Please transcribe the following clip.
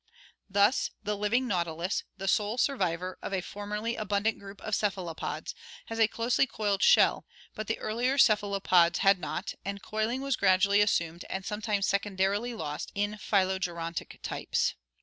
Thus, the living Nautilus, the sole survivor of a formerly abundant group of cephalopods, has a closely coiled shell, but the earlier cephalopods had not, and coiling was gradually assumed and sometimes secondarily lost in phylogerontic types.